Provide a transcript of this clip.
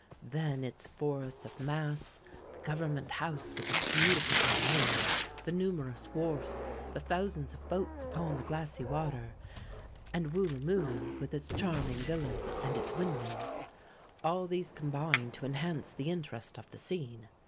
Then its forests of masts—the Government house, with its beautiful domain—the numerous wharfs—the thousands of boats upon the glassy water—and Wooloomooloo, with its charming villas and its windmills,—all these combine to enhance the interest of the scene.